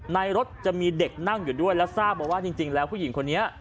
ในรถจะมีเด็กนั่งอยู่ด้วยแล้วทราบมาว่าจริงแล้วผู้หญิงคนนี้